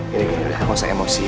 gini udah gak usah emosi